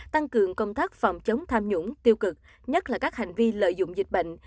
tăng cường công tác phòng chống tham nhũng tiêu cực nhất là các hành vi lợi dụng dịch bệnh